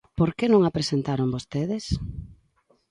¿Por que non a presentaron vostedes?